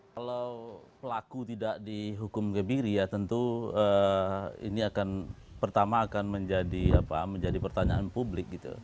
kalau pelaku tidak dihukum kebiri ya tentu ini akan pertama akan menjadi pertanyaan publik gitu